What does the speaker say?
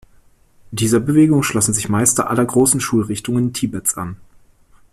Dieser Bewegung schlossen sich Meister aller großen Schulrichtungen Tibets an.